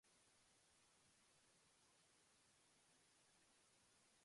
This vacation is the perfect opportunity for me to do so.